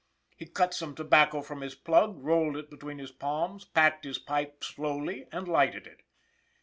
He cut some tobacco from his plug, rolled it between his palms, packed his pipe slowly and lighted it.